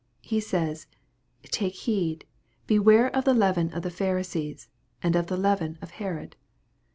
HQ says, " Take heed, beware of the leaven of the Pharisees, and of the leaven of Herod."